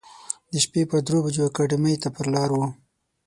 د شپې پر درو بجو اکاډمۍ ته پر لار و.